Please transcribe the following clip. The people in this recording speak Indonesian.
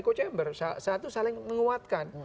dua chamber satu saling menguatkan